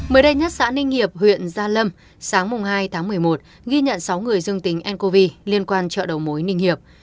mới đây nhất xã ninh hiệp huyện gia lâm sáng hai tháng một mươi một ghi nhận sáu người dương tính ncov liên quan chợ đầu mối ninh hiệp